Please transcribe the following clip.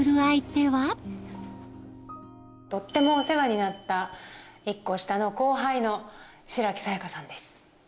とってもお世話になった１コ下の後輩の白木清かさんです。